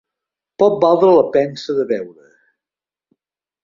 Pot valdre la pensa de veure.